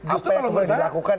apa yang pernah dilakukan